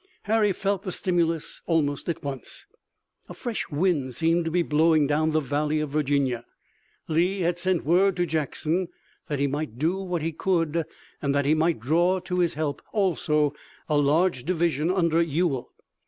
Harry felt the stimulus almost at once. A fresh wind seemed to be blowing down the Valley of Virginia. Lee had sent word to Jackson that he might do what he could, and that he might draw to his help also a large division under Ewell.